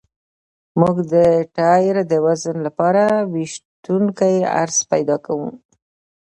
موږ د ټایر د وزن لپاره ویشونکی عرض پیدا کوو